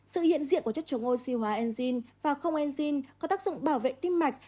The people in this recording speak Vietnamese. sự hiện diện của chất chống ô siu hóa enzine và không enzine có tác dụng bảo vệ tim mạch